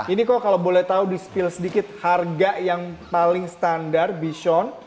ini kok kalau boleh tahu di spill sedikit harga yang paling standar bison